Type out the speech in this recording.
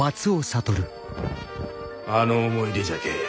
あの思い出じゃけえ。